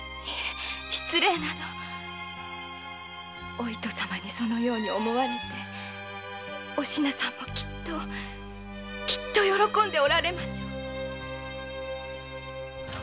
お糸様にそのように思われてお品さんもきっときっと喜んでおられましょう。